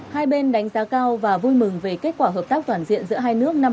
hai bên đánh giá cao và vui mừng về kết quả hợp tác toàn diện giữa hai nước năm hai nghìn một mươi ba